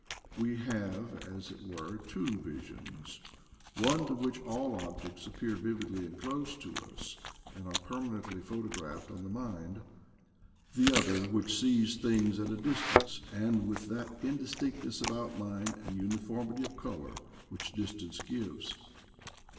We have, as it Were, two visions— one to which all objects ap pear vividly and close to us, and are permanently photographed on the mind; the other which sees things at a distance, and with that indistinctness of outline and uniformity of color which distance gives.